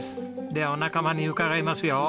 ではお仲間に伺いますよ。